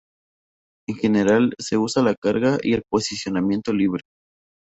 En general se usa la carga y el posicionamiento libre.